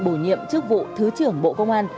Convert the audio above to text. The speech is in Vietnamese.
bổ nhiệm chức vụ thứ trưởng bộ công an